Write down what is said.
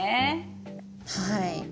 はい。